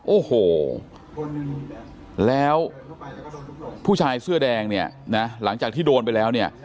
โอ้โหแล้วผู้ชายเสื้อแดงเนี่ยนะหลังจากที่โดนไปแล้วเนี่ย